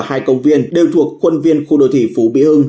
hai công viên đều thuộc quân viên khu đô thị phú bịa hưng